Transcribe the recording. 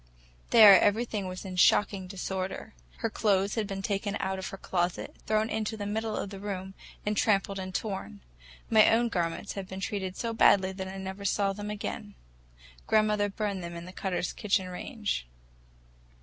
There everything was in shocking disorder. Her clothes had been taken out of her closet, thrown into the middle of the room, and trampled and torn. My own garments had been treated so badly that I never saw them again; grandmother burned them in the Cutters' kitchen range.